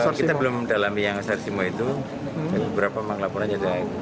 kita belum mendalami yang pasar simo itu beberapa memang laporan jadi